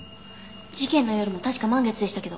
事件の夜も確か満月でしたけど。